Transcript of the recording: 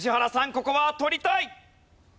ここは取りたい！